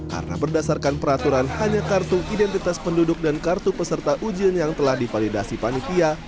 karena berdasarkan peraturan hanya kartu identitas penduduk dan kartu peserta ujian yang telah divalidasi panitia